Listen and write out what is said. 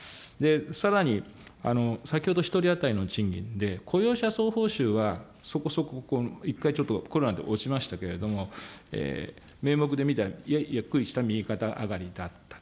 さらに、先ほど１人当たりの賃金で、雇用者総報酬はそこそこ、一回ちょっとコロナで落ちましたけれども、名目で見たら、ゆっくりした右肩上がりだった。